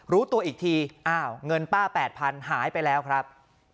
รู้ตัวอีกทีอ้าวเงินป้า๘๐๐๐หายไปแล้วครับ